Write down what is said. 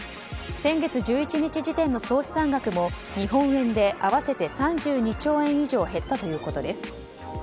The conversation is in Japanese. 先月１１日時点の総資産額も日本円で合わせて３２兆円以上減ったということです。